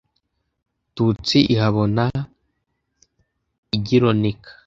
tutsi ihabona lgironeka